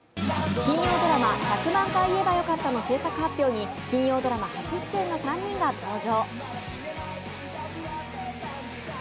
金曜ドラマ「１００万回言えばよかった」の制作発表に金曜ドラマ初出演の３人が登場。